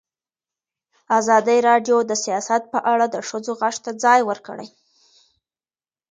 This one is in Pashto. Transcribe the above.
ازادي راډیو د سیاست په اړه د ښځو غږ ته ځای ورکړی.